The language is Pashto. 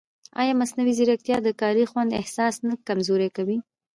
ایا مصنوعي ځیرکتیا د کاري خوند احساس نه کمزورې کوي؟